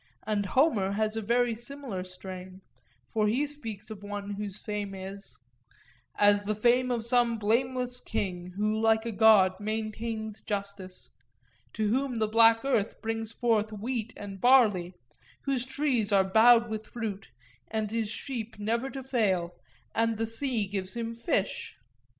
And Homer has a very similar strain; for he speaks of one whose fame is— 'As the fame of some blameless king who, like a god, Maintains justice; to whom the black earth brings forth Wheat and barley, whose trees are bowed with fruit, And his sheep never fail to bear, and the sea gives him fish.